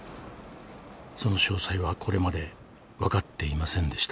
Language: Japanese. その詳細はこれまで分かっていませんでした。